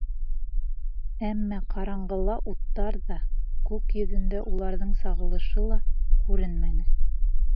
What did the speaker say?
Әммә ҡараңғыла уттар ҙа, күк йөҙөндә уларҙың сағылышы ла күренмәне.